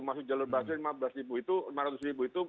masuk jalur basuh lima belas ribu itu